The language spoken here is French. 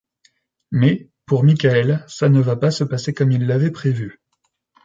Mais, pour Michael, ça ne va pas se passer comme il l'avait prévu.